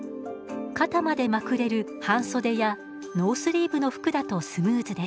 肩までまくれる半袖やノースリーブの服だとスムーズです。